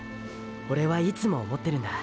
オレはいつも思ってるんだ。